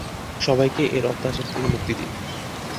সবাইকে এর অত্যাচার থেকে মুক্তি দিন।